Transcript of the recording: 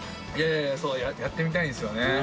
いやいやそうやってみたいですよね